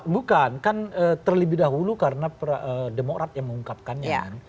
bukan kan terlebih dahulu karena demokrat yang mengungkapkannya kan